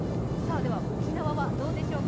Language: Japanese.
沖縄はどうでしょうか。